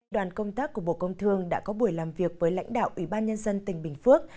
đoàn công tác của bộ công thương đã có buổi làm việc với lãnh đạo ủy ban nhân dân tỉnh bình phước